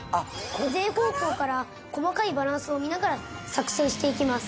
全方向から細かいバランスを見ながら作製していきます。